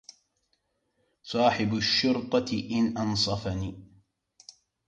صاحب الشرطة إن أنصفني